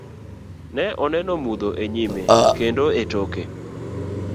Ne oneno mudho enyime kendo e toke.